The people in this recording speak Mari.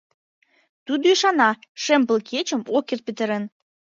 Тудо ӱшана: шем пыл кечым ок керт петырен.